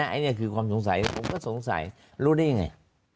ไอ้เนี่ยคือความสงสัยผมก็สงสัยรู้ได้ยังไง